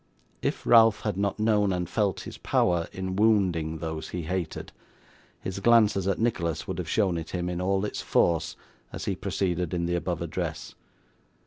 If Ralph had not known and felt his power in wounding those he hated, his glances at Nicholas would have shown it him, in all its force, as he proceeded in the above address.